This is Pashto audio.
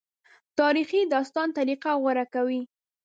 تاریخي داستان طریقه غوره کوي.